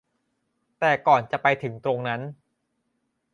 แต่ก่อนจะไปถึงตรงนั้น